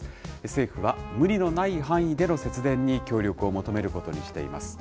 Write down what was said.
政府は無理のない範囲での節電に協力を求めることにしています。